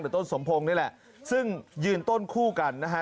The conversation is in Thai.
ต้นสมพงศ์นี่แหละซึ่งยืนต้นคู่กันนะฮะ